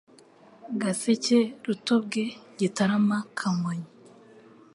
Gaseke Rutobwe Gitarama Kamonyi